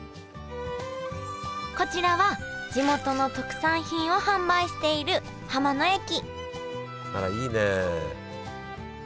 こちらは地元の特産品を販売している浜の駅あらいいね。